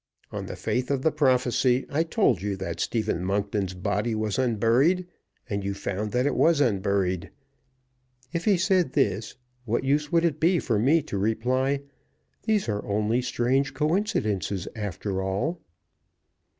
On the faith of the prophecy I told you that Stephen Monkton's body was unburied, and you found that it was unburied" if he said this, what use would it be for me to reply, "These are only strange coincidences after all?"